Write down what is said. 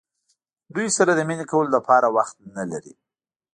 دوی سره د مینې کولو لپاره وخت نه لرئ.